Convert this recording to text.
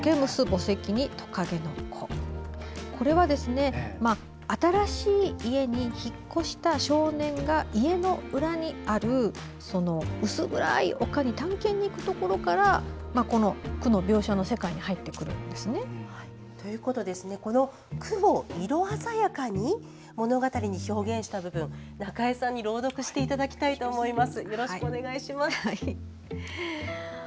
これは新しい家に引っ越した少年が家の裏にある、薄暗い丘に探検に行くところからこの句の描写の世界にこの句を色鮮やかに物語に表現した部分中江さんに朗読していただきたいと思います。